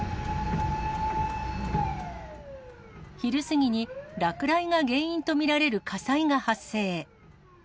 昼過ぎに落雷が原因と見られる火災が発生。